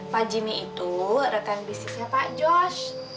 pak jimmy itu rekan bisnisnya pak jos